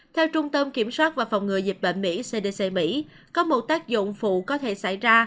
theo trung tâm kiểm soát và phòng ngừa dịch bệnh mỹ cdc mỹ có một tác dụng phụ có thể xảy ra